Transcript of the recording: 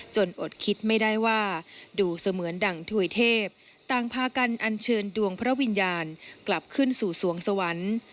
อดคิดไม่ได้ว่าดูเสมือนดังถวยเทพต่างพากันอันเชิญดวงพระวิญญาณกลับขึ้นสู่สวงสวรรค์